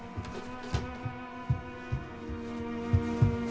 はい。